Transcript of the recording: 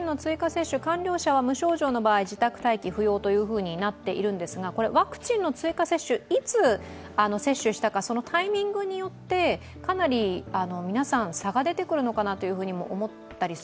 接種完了者は無症状の場合、自宅待機不要となっているんですが、ワクチンの追加接種、いつ接種したか、そのタイミングによってかなり皆さん差が出てくるのかなと思ったりも